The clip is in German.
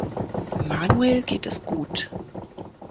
Manuel geht es gut.